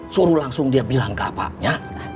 suruh langsung dia bilang ke apanya